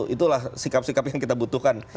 itulah sikap sikap yang kita butuhkan